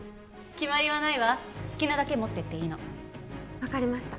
決まりはないわ好きなだけ持ってっていいの分かりました